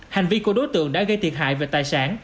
hành vi của đối tượng đã gây thiệt hại về tài sản